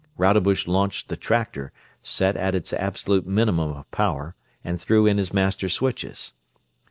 Rodebush launched the tractor, set at its absolute minimum of power, and threw in his master switches.